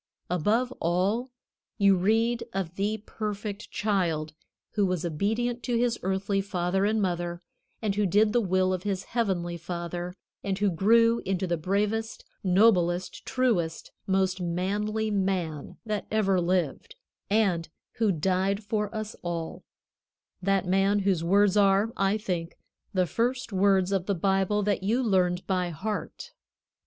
Above all, you read of the perfect Child who was obedient to his earthly father and mother, and who did the will of his Heavenly Father, and who grew into the bravest, noblest, truest, most manly man that ever lived, and who died for us all that Man whose words are, I think, the first words of the Bible that you learned by heart.